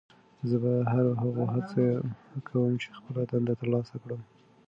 زه به تر هغو هڅه کوم چې خپله دنده ترلاسه کړم.